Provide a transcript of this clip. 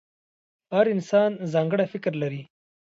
• هر انسان ځانګړی فکر لري.